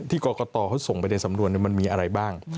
กรกตเขาส่งไปในสำนวนมันมีอะไรบ้าง